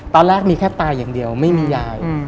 ตอนแรกมีแค่ตาอย่างเดียวไม่มียาย